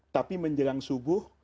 tapi menjelang subuh